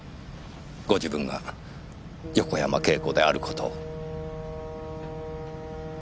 ご自分が横山慶子である事を。